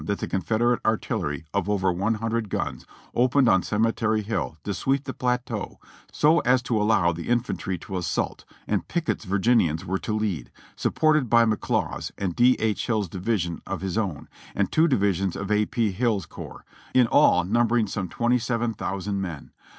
that the Confederate artillery of over 100 gims opened on Cemetery Hill to sweep the plateau so as to allow the infantry to assault, and Pickett's Virginians were to lead, supported by McLaws, and D. H. Hill's division of his own, and two divisions of A. P. Hill's corps ; in all number ing some twenty seven thousand men.